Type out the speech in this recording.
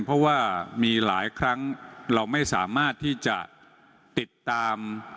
เพราะว่ามีหลายครั้งเราไม่สามารถที่จะติดตาม